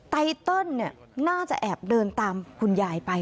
ไตเติลน่าจะแอบเดินตามคุณยายไป